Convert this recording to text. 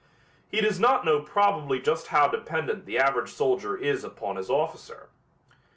He does not know probably just how dependent the average soldier is upon his officer.